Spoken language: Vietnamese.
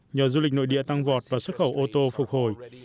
nhờ du lịch nội địa tăng vọt và xuất khẩu ô tô phục hồi